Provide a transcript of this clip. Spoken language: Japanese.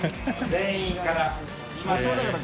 全員から。